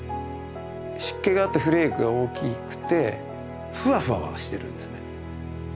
湿気があってフレークが大きくてフワフワしてるんですね。